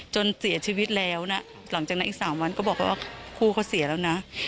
จนเสียชีวิตแล้วนะหลังจากนั้นอีก๓วันก็บอกว่าคู่เขาเสียแล้วนะ